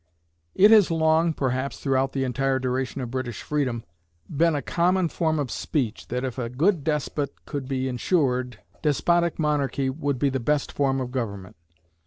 It has long (perhaps throughout the entire duration of British freedom) been a common form of speech, that if a good despot could be insured, despotic monarchy would be the best form of government.